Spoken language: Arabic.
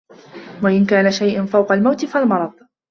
وَإِنْ كَانَ شَيْءٌ فَوْقَ الْمَوْتِ فَالْمَرَضُ